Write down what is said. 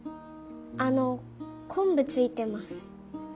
あのこんぶついてます。